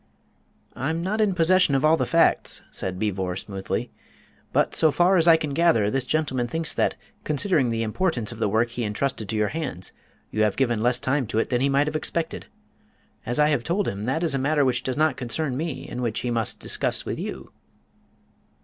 "I'm not in possession of all the facts," said Beevor, smoothly; "but, so far as I can gather, this gentleman thinks that, considering the importance of the work he intrusted to your hands, you have given less time to it than he might have expected. As I have told him, that is a matter which does not concern me, and which he must discuss with you."